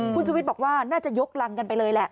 คุณชุวิตบอกว่าน่าจะยกรังกันไปเลยแหละ